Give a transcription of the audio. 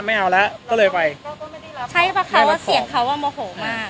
ไม่เอาแล้วก็เลยไปก็ไม่ได้รับใช้ประคำว่าเสียงเขาอ่ะโมโหมาก